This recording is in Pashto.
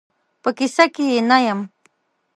په کیسه کې یې نه یم.